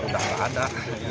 udah gak ada